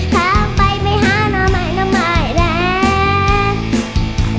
ทางไปไม่หาน้องมายน้องมายแรก